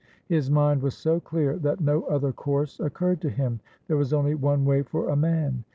His mind was so clear that no other course occurred to him. There was only one way for a man.